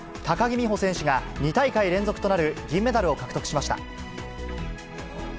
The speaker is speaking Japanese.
高木美帆選手が２大会連続となる銀メダルを獲得しました。